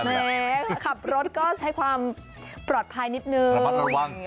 แม่ขับรถก็ใช้ความปลอดภัยนิดนึง